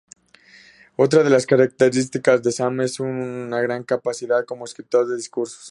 Otra de las características de Sam es su gran capacidad como escritor de discursos.